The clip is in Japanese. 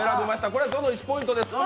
これは、ぞのに１ポイントです。